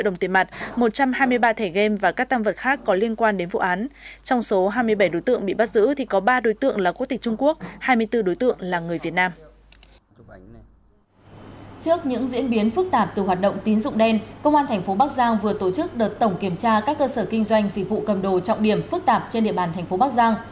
trong thời gian phức tạp từ hoạt động tín dụng đen công an tp bắc giang vừa tổ chức đợt tổng kiểm tra các cơ sở kinh doanh dịch vụ cầm đồ trọng điểm phức tạp trên địa bàn tp bắc giang